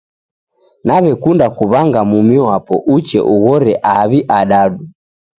Nawekunda kuw'anga mumi wapo uche ughore aw'i adadu